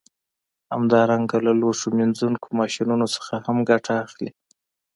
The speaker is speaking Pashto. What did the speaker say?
همدارنګه له لوښو مینځونکو ماشینونو څخه هم ګټه اخلي